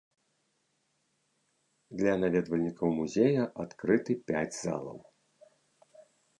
Для наведвальнікаў музея адкрыты пяць залаў.